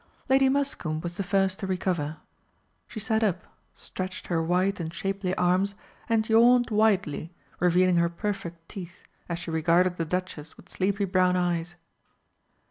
Lady Muscombe was the first to recover. She sat up, stretched her white and shapely arms, and yawned widely, revealing her perfect teeth, as she regarded the Duchess with sleepy brown eyes.